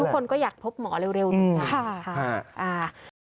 คือทุกคนก็อยากพบหมอเร็วหนูกัน